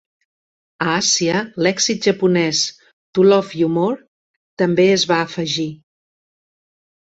A Àsia, l"èxit japonès "To Love You More" també es va afegir.